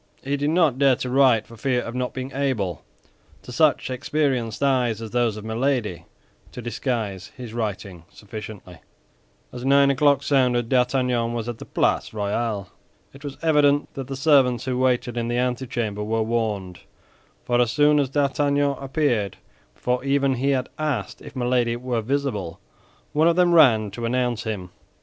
He did not dare to write for fear of not being able—to such experienced eyes as those of Milady—to disguise his writing sufficiently. As nine o'clock sounded, D'Artagnan was at the Place Royale. It was evident that the servants who waited in the antechamber were warned, for as soon as D'Artagnan appeared, before even he had asked if Milady were visible, one of them ran to announce him.